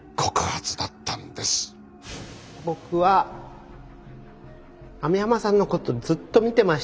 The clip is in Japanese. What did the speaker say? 僕は網浜さんのことずっと見てました。